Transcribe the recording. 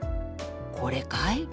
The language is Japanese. これかい。